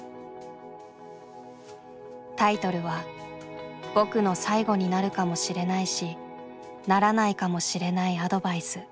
タイトルは「僕の最後になるかもしれないしならないかもしれないアドバイス」。